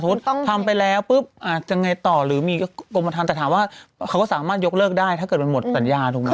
ทำไปแล้วปุ๊บอาจจะไงต่อหรือมีกรมธรรมแต่ถามว่าเขาก็สามารถยกเลิกได้ถ้าเกิดมันหมดสัญญาถูกไหม